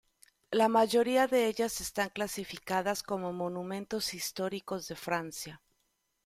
La mayoría de ellas están clasificadas como monumentos históricos de Francia.